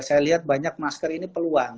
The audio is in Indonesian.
saya lihat banyak masker ini peluang